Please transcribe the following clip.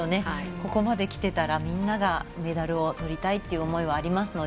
ここまできていたら、みんながメダルをとりたいという思いがありますので。